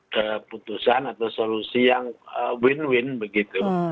keputusan atau solusi yang win win begitu